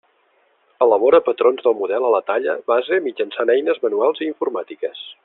Elabora patrons del model a la talla base mitjançant eines manuals i informàtiques.